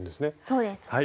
そうです。